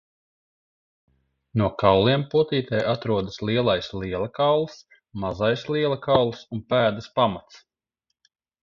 No kauliem potītē atrodas lielais liela kauls, mazais liela kauls un pēdas pamats.